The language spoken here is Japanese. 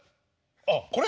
あっこれ？